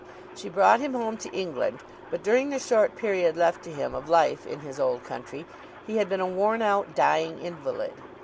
She brought him home to England, but during the short period left to him of life in his old country he had been a worn out, dying invalid.